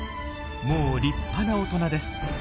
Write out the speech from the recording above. もう立派な大人です。